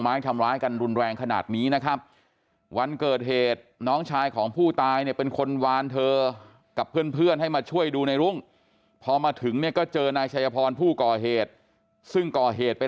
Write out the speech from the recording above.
บอกว่ามึงไม่ได้ตายดีแน่กลัวเอามึงคืนแน่บอก